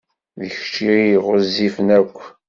D kečč ay ɣezzifen akk.